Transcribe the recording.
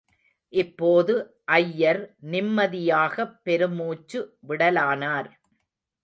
இப்போது ஐயர் நிம்மதியாகப் பெருமூச்சு விடலானார்.